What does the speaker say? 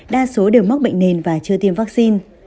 đa số đều mắc bệnh nền và chưa tiêm vaccine